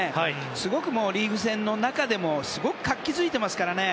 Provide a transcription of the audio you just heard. すごくリーグ戦の中でも活気づいてますから。